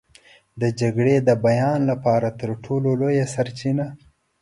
د جګړې د بیان لپاره تر ټولو لویه سرچینه.